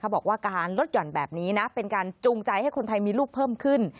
บอกว่าการลดหย่อนแบบนี้เป็นการจูงใจให้คนไทยมีลูกเพิ่มขึ้น